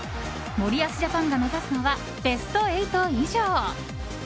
森保ジャパンが目指すのはベスト８以上。